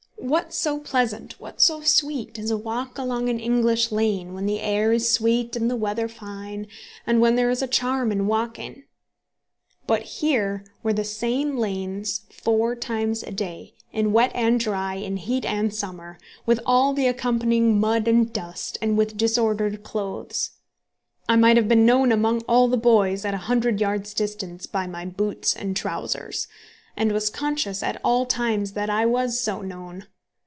What so pleasant, what so sweet, as a walk along an English lane, when the air is sweet and the weather fine, and when there is a charm in walking? But here were the same lanes four times a day, in wet and dry, in heat and summer, with all the accompanying mud and dust, and with disordered clothes. I might have been known among all the boys at a hundred yards' distance by my boots and trousers, and was conscious at all times that I was so known.